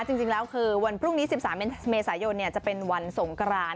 จริงแล้วคือวันพรุ่งนี้๑๓เมษายนจะเป็นวันสงกราน